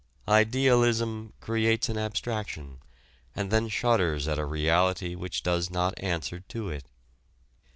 "Idealism" creates an abstraction and then shudders at a reality which does not answer to it.